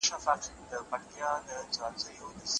تر څو په راتلونکي کې ترې مېوه واخلو.